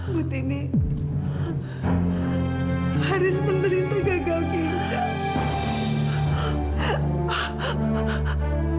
bu tini harus menderita gagal ginjal